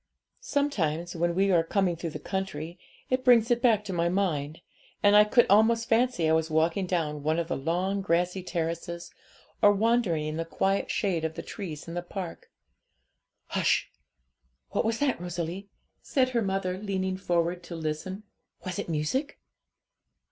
Sometimes, when we are coming through the country, it brings it back to my mind, and I could almost fancy I was walking down one of the long grassy terraces, or wandering in the quiet shade of the trees in the park. Hush! what was that, Rosalie?' said her mother, leaning forward to listen; 'was it music?'